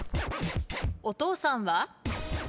お父さんは？